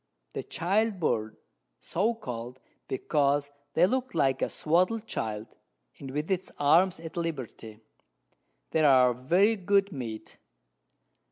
The Child Bird, so call'd, because they look like a swadled Child, with its Arms at Liberty: They are very good Meat.